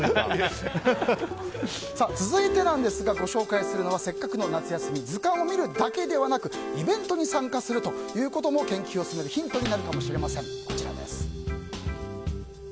続いてご紹介するのはせっかくの夏休み図鑑を見るだけではなくイベントに参加するということも研究を進めるヒントになるかもしれません。